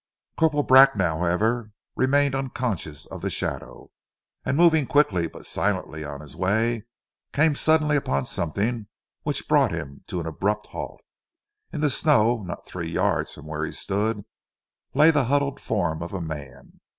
Corporal Bracknell, however, remained unconscious of the shadow, and moving quickly but silently on his way, came suddenly upon something which brought him to an abrupt halt. In the snow not three yards from where he stood lay the huddled form of a man.